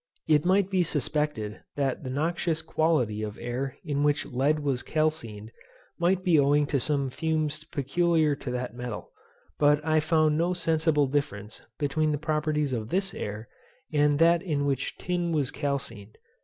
It might be suspected that the noxious quality of air in which lead was calcined, might be owing to some fumes peculiar to that metal; but I found no sensible difference between the properties of this air, and that in which tin was calcined.